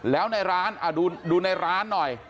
แล้วในร้านดูในร้านหน่อย